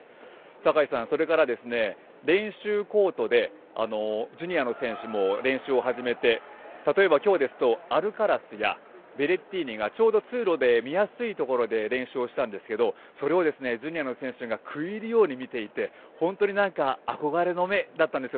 坂井さん、練習コートでジュニアの選手も練習を始めて例えば今日ですとアルカラスやベレッティーニがちょうど通路で見やすいところで練習をしたんですがそれをジュニアの選手が食い入るように見ていて本当に憧れの目だったんですよ。